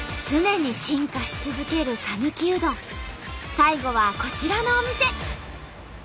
最後はこちらのお店。